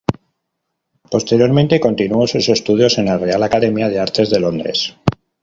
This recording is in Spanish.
Posteriormente continuó sus estudios en la Real Academia de Artes de Londres.